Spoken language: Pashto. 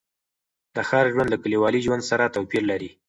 د ښار ژوند له کلیوالي ژوند سره توپیر لري.